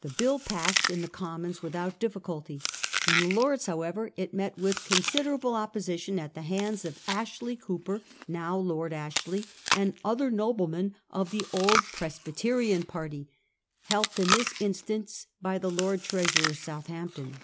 The bill passed in the Commons without difficulty ; in the Lords however it met with considerable opposition at the hands of Ashley Cooper, now Lord Ashley, and other noblemen of the old Presbyterian party, helped in this instance by the Lord Treasurer, Southampton.